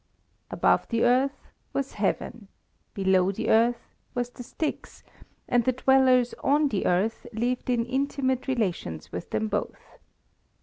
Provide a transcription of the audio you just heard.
Above the earth was heaven; below the earth was the Styx, and the dwellers on the earth lived in intimate relations with them both.